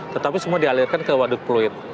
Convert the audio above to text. tetapi semua dialirkan ke waduk pluit